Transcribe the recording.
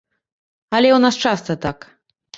Але ў нас часта так.